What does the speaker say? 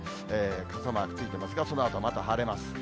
傘マークついてますが、そのあとはまた晴れます。